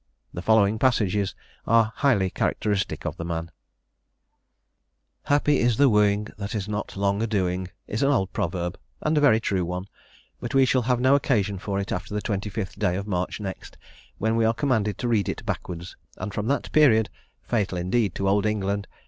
The following passages are highly characteristic of the man: "'Happy is the wooing that is not long a doing,' is an old proverb, and a very true one; but we shall have no occasion for it after the 25th day of March next, when we are commanded to read it backwards, and from that period (fatal indeed to Old England!)